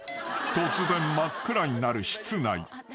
［突然真っ暗になる室内］